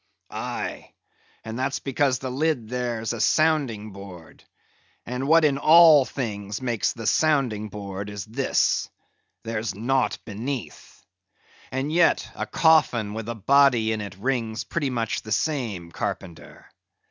"Aye, and that's because the lid there's a sounding board; and what in all things makes the sounding board is this—there's naught beneath. And yet, a coffin with a body in it rings pretty much the same, Carpenter.